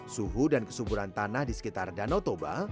suhu dan kesuburan tanah di sekitar danau toba